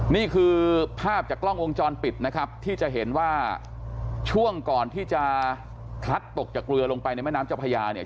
นี่คือภาพจากกล้องวงจรปิดนะครับที่จะเห็นว่าช่วงก่อนที่จะพลัดตกจากเรือลงไปในแม่น้ำเจ้าพญาเนี่ย